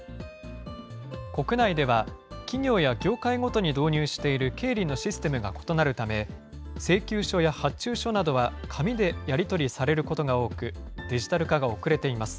国内では企業や業界ごとに導入している経理のシステムが異なるため、請求書や発注書などは、紙でやり取りされることが多く、デジタル化が遅れています。